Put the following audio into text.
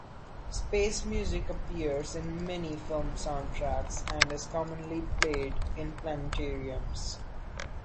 Space music appears in many film soundtracks and is commonly played in planetariums.